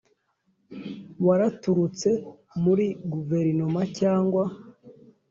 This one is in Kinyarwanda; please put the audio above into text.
Waraturutse muri guverinoma cyangwa